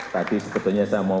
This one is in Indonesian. tadi sebetulnya saya mau